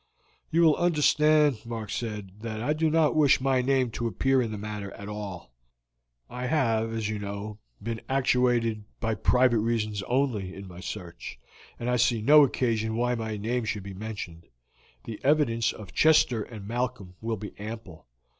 "You will understand," Mark said, "that I do not wish my name to appear in the matter at all. I have, as you know, been actuated by private reasons only in my search, and I see no occasion why my name should be mentioned; the evidence of Chester and Malcolm will be ample.